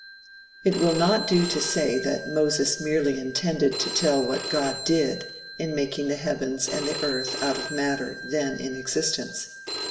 It will not do to say that Moses merely intended to tell what God did, in making the heavens and the earth out of matter then in existence.